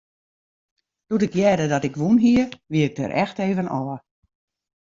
Doe't ik hearde dat ik wûn hie, wie ik der echt even ôf.